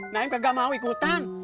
naim gak mau ikutan